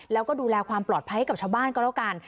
แล้วก็ดูแลความปลอดภัยให้กับชาวบ้านก็แล้วกัน